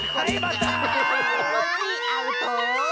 コッシーアウト。